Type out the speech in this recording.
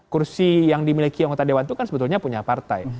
kursi yang dimiliki anggota dewan itu kan sebetulnya punya partai